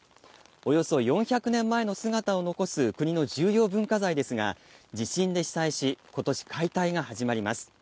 およそ４００年前の姿を残す国の重要文化財ですが、地震で被災し、今年、解体が始まります。